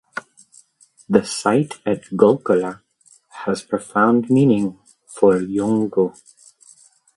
The site at Gulkula has profound meaning for Yolngu.